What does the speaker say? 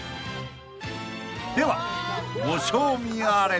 ［ではご賞味あれ］